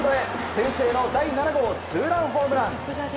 先制の第７号ツーランホームラン。